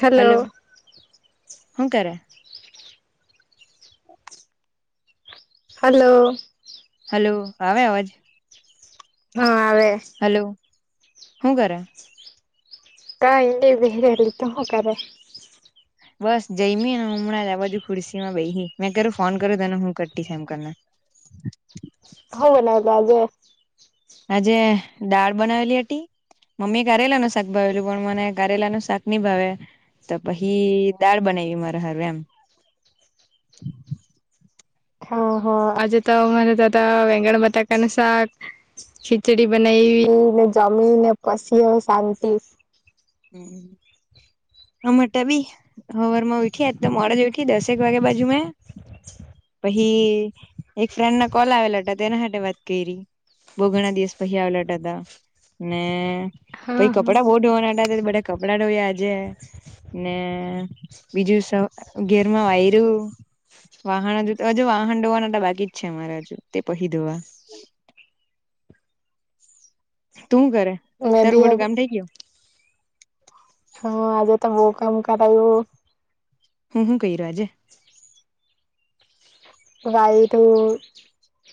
Hello હ કરે hello hello આવે અવાજ હા આવેવે હલો હું કર કં એ બ રતો હ કરે બસ જઈમી ને હમણાં જ આ બાજુ ખુરશી માં બે મેં કર્યું ફોન કર્યો તને હું કરતીશ એમ કરીને [inaudible] હવે ન એજે આજે દાળ બનાવેલી હતી ટી મમ્મી કારેલા ન શાક ભાવેલું પણ મને કારેલા ન શાક નહી ભાવે તો પછી દાળ બનાવી મારે હર એમ ઓહ આજે તો મને દાદા વેંગણ મતાકાનું શાક ખીચડી બનાવી ીવી ને જમી ને પછી હ શાંતિ [inaudible] હમે તાબી હવાર માં ઉઠીજ મોડે જ ઉઠી દસેક વાગ્યા બાજુ મેં હ એક ફ્રેન્ડ ના કોલ આવેલા હતા તેના સાથે વાત કરી બહુ ઘણા દિવસ પછી આવલટ હતા ને હા પછ કપડા હા બહુ ધોવાના હતા હતા બધા કપડા ધોયા આજે ને બીજું સ ઘેરમાં વાયરું વાહન હજ હજુ વાહન ડોવાના બાકી જ છે અમારે હજુ તે પહી દોવા [inaudible] તું કરે મેં તારું બી બડું કામ હવે થઈ ગયું હા આજે તો બહ કામ કરાયું હું શું ક રહ્યોજે વાાયરું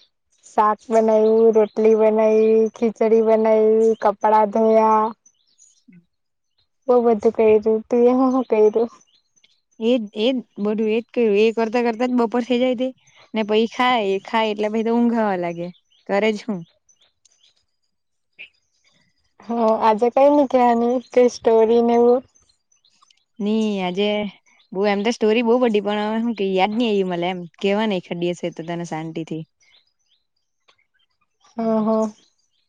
[inaudible] સાક બનાું રોટલી બનાૈ ખિચડી બનાવીું કપડા ધોયા હમ બઉ બધું કું તું હું શું કું એજ એજ બધું એજ કરું એ કરતા કરતા જ બપોર થઇ જાય તે ને પછ ખાય ખાય એટલે ભ તો ઊંઘાવા લાગે કરે જ હું હા આજા કઈ ન કની કઈ સ્ટોરી નેવું ની આજે બઉ એમ તો સ્ટોરી બહુ બડી પણ શ યાદ નહી આવી મ એમ કેવા નહ ખડી હશે તો તને શાંતિ થી [inaudible] [inaudible]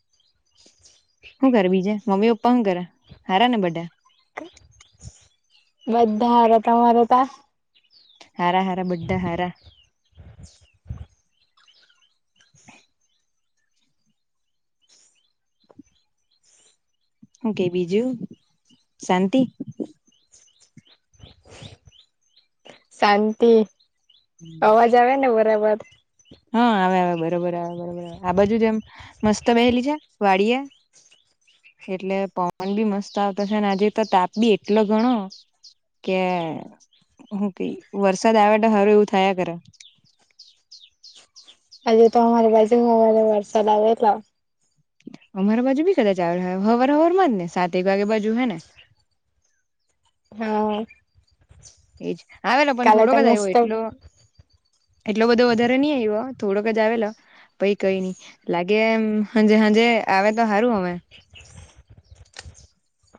શું કરે બીજે મમ્મી પપ્પા શું કરે હારા ને બધા બધાાર તમારા હતા હરા હાર બડાા હારા [inaudible] હું કે બીજું શાંતિ શાંતિ અવાજ આવે ને બરાબર હા આવે આવે બરોબર આવે બરોબર આ બાજુ જેમ મસ્ત બેહેલી છે વાડિયા એટલે પવન બી મસ્ત આવતો છે અને આજે તો તાપ બી એટલો ગણો કે હું ક વરસાદ આવે તો હારું એવું થયા ખરે [inaudible] હજે તો અમારી બાજુ મોબાઈ વટસાદ આવે એટલા અમારા બાજુ બી કદાચ આવે હવાર હવારમાં જ ને સાત એક વાગ્યા બાજુ હે ને [inaudible] હા એજ આવેલો પણ કાલે તો થોડોક જ આવ્યો મસ્ત એટલો એટલો બધો વધારે નહી આવ્યો થોડોક જ આવેલા પઈ કઈ નઈ લાગે એમ હાજે હાજે આવે તો સારું હવે [unintelligible]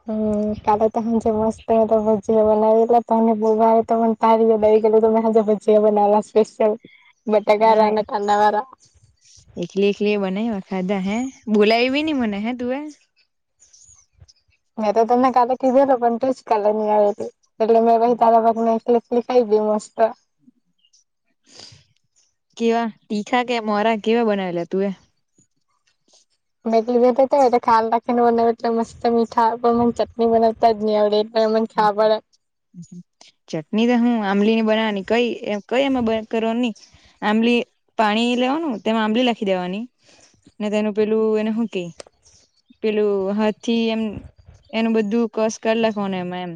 હમ કાલે ત હ જે મસ્ત તો ભજીયા બનાવેલા તને બોવા તોમને પાર દઈ તોજા ભાજયા બનાવેલા સ્પેશલ બટાકાના હા અને કાંદા વાળા નયખાધા હે બોલાયવી નહી મને હે તું એ મેં તો તમને કાલે કીધો ન પણ તું જ કાલે નહી આવે તું એટલે મેં ભ તારા ભાગ ને લકલીી ખાઈવી મસ્ત કેવા તીખા કે મોરા કેવા બનાવેલા તું એ એટલી ભય ખ્યાલ રાખીને બનાવે એટલે મસ્ત મીઠા પણ મ ચટણી બનાવતા જ ની આવડે એમન ખા પડે ચટણી તો હું આંબલી ની બનાવાની કઈ કઈ એમાં કરવા નની આંબલી પાણી લેવાનું તેમાં આંબલી લખી દેવાની ને તેનું પેલું એને શું ક પેલું હા થી એમ એનું બધું કષ કરી લખવા ને એમાં એમ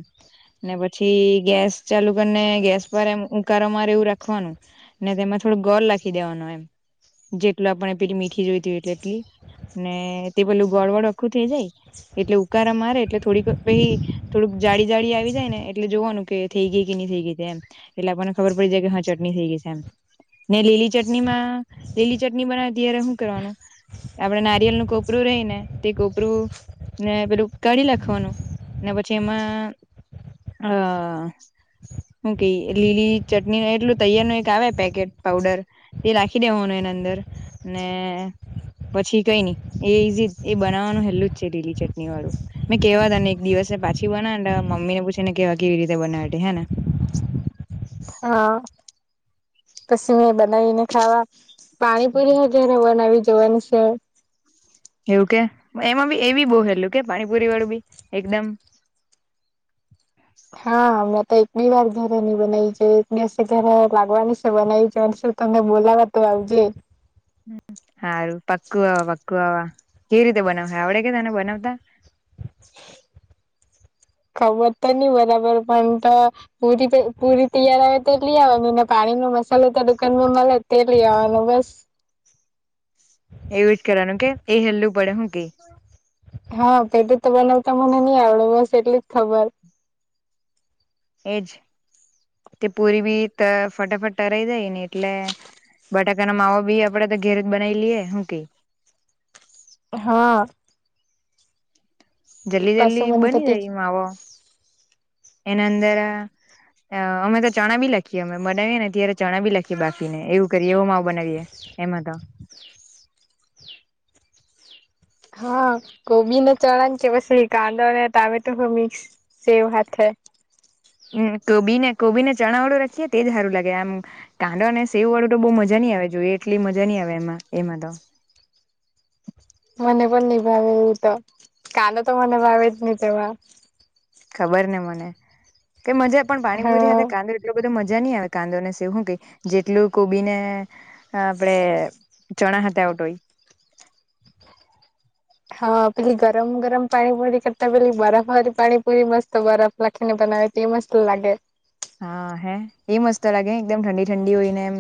ને પછી ગેસ ચાલુ કરીને ગેસ પર એમ ઉકારો માર એવું રાખવાનું ને તેમાં થોડો ગોળ લખી દેવાનો એમ જેટલું આપણે પેલી મીઠી જોઈતી હોય એટલે એટલી ને તે પેલું ગોળ વળ આખું થઈ જાય, એટલે ઉકારા મારે એટલે થોડીક પ થોડુંક જાળી જાળ આવી જાય ને એટલે જોવાનું કે થઈ ગઈ કે નહી થઈ ગઈ એમ એટલે આપણને ખબર પડી જાય કે હા ચટ થ ગ એમ ને લીલી ચટણીમાં લીલી ચટણી બનાવે ત્યારે શું કરવાનું? આપડે નારિયેલ નું કોપરું રહી ને તે કોપરું ને પેલું કાઢી લખવાનું ને પછી એમાં હ શું કે લીલી ચટણી એટલું તૈયાર નું એક આવે પેકેટ પઉડર તે રાખી દેવાનું એના અંદર ને પછી કઈ નહી એ ઈઝી એ બનાવવાનું હેલું જ છે લીલી ચટણી વાળું મેં કેવા તને એક દિવસ પાછ પછી બના ને મમ્મી ને પૂછે ને કેવા કેવી રીતે બનાવે હે ને હા પછીમ બ બનાવીને ખાવા પાણીપુરી હજારે બનાવી જોવાની છે, એવું કે એમાં બી એ બી બહ હેલું કે પાણીપુરી વાળું બી એકદમ [unintelligible] હા મ એક બે વાર ઘરેની બનાવી જાયશે ઘરે લાગવાની છે બનાવી જાય અનેું તમને બોલાવા તો હજે સારું પક્કું પક્કુ આવા કેવી રીતે બનાવશે આવડે કે તને બનાવતા [inaudible] ખબર તો નહી બરાબર પણ તો પુરી પુરી તૈયાર આવે તો એટલી આવેને પાણી મસાલો ત દુકાનમાં મળ તેલી આવવાનું બસ એવું જ કરવાનું કે એ હેલ્લું પડે હું કે? હા, પેટે તો બનાવતા મને નહી આવડે બસ એટલી જ ખબર એજ તે પૂરી બી ફટાફટ તરાઈ જાય ને એટલે બટાકા ના માવો બી આપડે તો ઘેર જ બનાવી લઈએ હું કઈ હા જલ્દી પાછું જલ્દી મને બની તો જાય એ માવો એના અંદર અમે તો ચણા બી લખીએ અમે બનાવીએ ને ત્યારે ચણા બી લખીએ બાફીને એવું કરીએ એવો માવ બનાવીએ એ દ હા, કોબીને ચણાણ કે પછી કાંદળને ટામેટો મિક્સ સેવ હા થ [unintelligible] મ કોબી ને કોબી ને ચણા વાળું રાખીએ તે જ સારું લાગે આમ કાંદો અને સેવ વાળું તો બઉ મજા આવે જોઈએ એટલી મજા નહી, આવે એમાં એમાં તો મને પણ નહી ભાવે એવું તો કાંદ તો મને ભાવે જ નહી તેવા ખબર ને મને કઈ મજા પણ પાણીપુરી હા સાથે કાંદ એટલો બધો મજા જાની આ કાંદોને સેવ હું કેય જેટલું કોબી ને અ આપડે ચણા હાતે આવટોય. હા, પેલી ગરમ ગરમ પાણી પુરી કરતા પેલી બરફવારી પાણી પુરી મસ્ત બરફ લખીને બન નાવે તે મસ્ત લાગે. હા, હે એ મસ્ત લાગે એકદમ ઠંડી ઠંડી હોય ને એમ.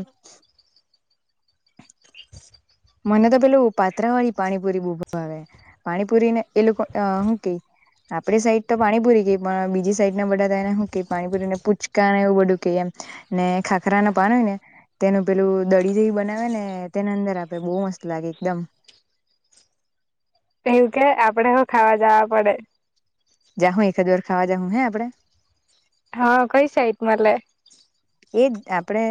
મને તો પેલું પાત્રા વાળી પાણીપુરી બો ભાવે. પાણીપુરીને એ લોકો અ હું કેય? આપડી સાઈડ તો પાણીપુરી કેય પણ બીજી સાઈડ ના બધા તેને હું કેય પાણીપુરીને પૂચકાને એવું બધું કેય એમ. ને ખાખરા ના પાન હોય ને તેનું પેલું દડી જેવી બનાવે ને તેના અંદર આપ તે બો મસ્ત લાગે એકદમ. એવું કે આપડે હો ખાવા જાવા પડે. જાહું એકાદવાર ખાવા જાહું હે આપડે. હા, કઈ સાઈટ મલે. એજ આપડે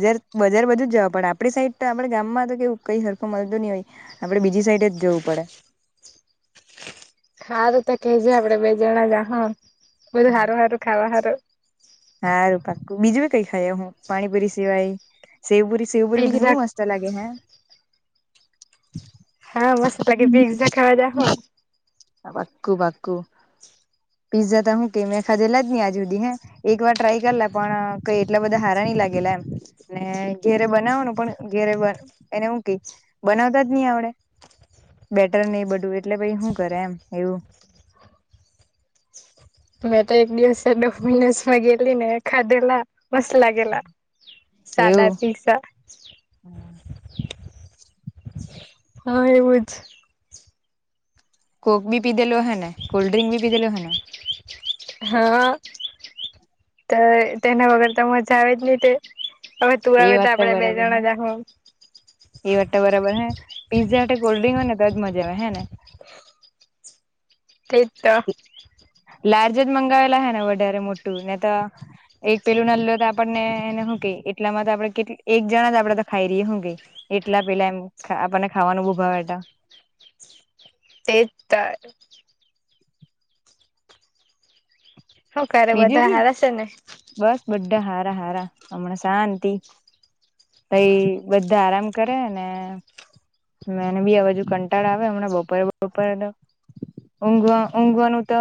બજાર બજાર બાજુ જ જવા પડે આપડી સા તય આપડે બી સાઈડ જ જવું પડે. હારું તો કેજે આપડે બે જણા જાહું બધું હારું હારું ખાવા હારું. હારું પાકું બીજું કઈ ખાઈ આવુ હું પાણીપુરી સિવાય. સેવપુરી સેવપુરી બી પીઝા કેટલી મસ્ત લાગે હે. હા, મસ્ત લાગે પીઝા ખાવા જાહું. પાકું પાકું. પીઝા ત હું કે મેં ખાધેલા જ આજ સુધી હે એક વાર ટ્રાય કરેલા પણ કઈ એટલા બધા હારા નઈ લા ગેલા એમ ને ઘેરે બનાવવાનું પણ ઘેરે બન એને હું કેય બનાવતા જ ની આવડે. બેટર ને એ બધું એટલે ભઈ હું કરે એમ એવું. મેં તો એક દિવસે ડોમીનોઝમાં ગેલી ને ખાદેલા. મસ્ત લાગેલા સાદા એવું પિઝા. [inaudible] હા, એવું જ. કોક બી પીદેલો અહેને કોલ્ડ ડ્રિંક બી પીદેલો અહેને. ત તેના વગર તો મજા આવે ની તે. અવે તું એ આવે તો વાત આપડે બે બરાબર હે જણા જાહું. એ વાટ બરાબર હે પીઝા હાતે કોલ્ડ્રિંક હોય ને તોજ મજા આવે હે ને. તેજ ત. લાર્જ જ મંગાવેલા અહે ને વધારે મોટું ને ત એક પેલું નાનલું હોય તો આપણનેને હું કેય એટલામાં તો આપણે કેટ એક જણ જ આપડે તો ખાઈ રેએ હું કેય એટલા પેલા એમ ખા આપણને ખાવાનું બો ભાવે ટા તે જ. શું કરે બીજું બધા બી હારા છે ને બસ બધ હારા હારા હમણાં શાંતિ પઈ બધ આરામ કરે ને મેને બી આ બાજુ કંટાળ આવે હમણાં બપોરે બપોરે તો. ઊંઘવા ઊંઘવાનું તો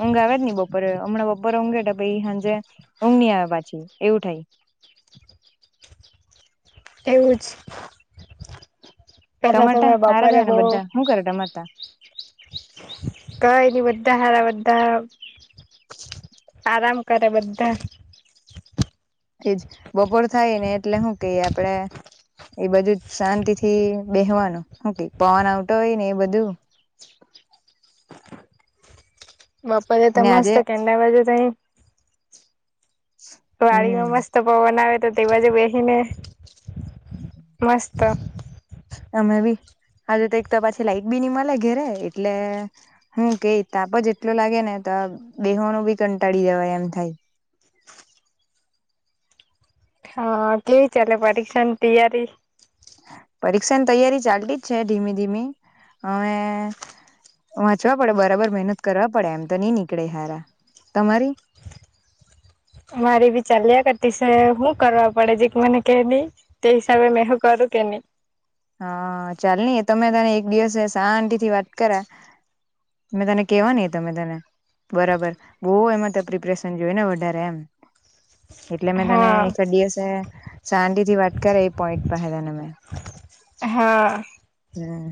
ઊંઘ આવે જ ની બપોરે હમણાં બોપ પોરે ઊંઘે પહિ હાંજે ઊંઘની આવે પાછી એવું થાય. એવું જ. પેલા તમારે તો ટા મેં હારા જ બપોરે અહે બહુ બધા હું કરે તમારે તા. કઈ ની બધા હારા બધા હારા આરામ કરે બધા. એજ બપોર થાય ને એટલે હું કેય આપડે. એ બાજુ જ શાંતિ થી બેહવાનું હું કેય પવન આવટો હોય ને એ બધું. બપોરે તો ને મસ્ત આજે કેડ વાજે ત વાડી હમ માં મસ્ત પવન આવે તો તે બાજુ બેહી ને હમ [inaudible] કા અમે બી હજે તો એક તો પાછી લાઈટ બી ની મળે ઘેરે એટલે હું કે તાપ જ એટલો લાગે ને તો બેહો ન બી કંટાળી દેવાય એમ થાય [inaudible] હા કેવી ચાલે પરીક્ષાની તૈયારી પરીક્ષાની તૈયારી ચાલતી જ છે ધીમી ધીમી હવે વાંચવા પડે બરાબર મહેનત કરવા પડે એમ તો નઈ નીકળે હારા તમારી [inaudible] મારી ભી ચાલ્યા કરતિ સે હું કરવા પડે જે મને કે નહી તે હિસાબે મે હું કરું તેની હા ચાલ નઈ તમે તને એક દિવસ શાંતી થી વાત કર્યા મેં તને કેવા નહ તમે તને બરાબર બહ એમાં ત્યા પ્રિપરેશન જોય ને વધારે એમ એટલે મેં તને હા દિવસે શાંતિ થી વાટકે એ પોઈન્ટ પરસે તને મે હા હમ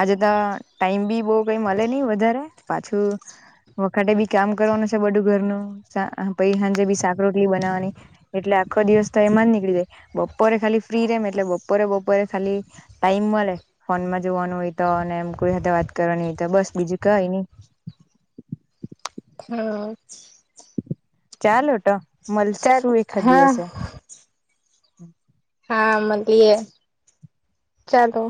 આજે તો ટાઈમ બી બહ કઈ મળે નહી વધારે પાછું વખતે બી કામ કરવાનું છે બધું ઘરનું પ સાંજે બી શાક રોટલી બનાવાની એટલે આખો દિવસ થાય એમાં જ નીકળીાય બપોરે ખાલી ફ્રી રેમ એટલે બપોરે બપોરે ખાલી ટાઈમ મળે ફોનમાં જોવાનું હોય તો અને એમ કોઈ સાથે વાત કરવાની હોય તો બસ બીજું કઈ હ હમ ચાલો તો મળ ચાલ શું એકાદ હા દિવસે હા મળીએ ચાલો